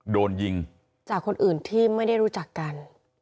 โดนยิงจากคนอื่นที่ไม่ได้รู้จักกัน